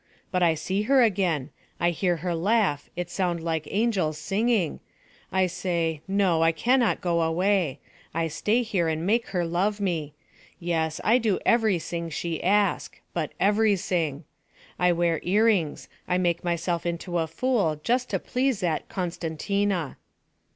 But I see her again; I hear her laugh it sound like angels singing I say, no, I can not go away; I stay here and make her love me. Yes, I do everysing she ask but everysing! I wear earrings; I make myself into a fool just to please zat Costantina.'